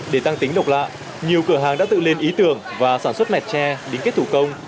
để tăng tính độc lạ nhiều cửa hàng đã tự lên ý tưởng và sản xuất mẹt tre đính kết thủ công